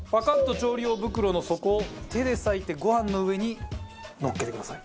調理用袋の底を手で裂いてご飯の上にのっけてください。